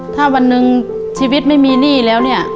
ถ้าวันหนึ่งชีวิตไม่มีหนี้แล้วเนี่ย